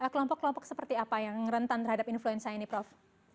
kelompok kelompok seperti apa yang rentan terhadap influenza ini prof